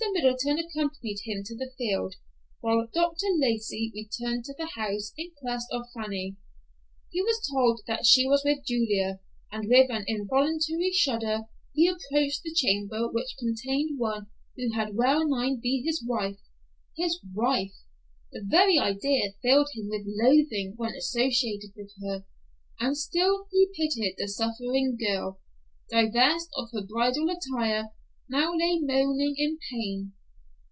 Middleton accompanied him to the field, while Dr. Lacey returned to the house in quest of Fanny. He was told that she was with Julia, and with an involuntary shudder, he approached the chamber which contained one who had well nigh been his wife! His wife! The very idea filled him with loathing when associated with her, and still he pitied the suffering girl, who, divested of her bridal attire, now lay moaning in pain.